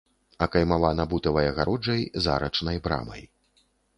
Акаймавана бутавай агароджай з арачнай брамай.